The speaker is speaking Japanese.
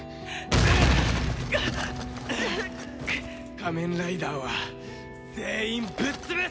仮面ライダーは全員ぶっ潰す！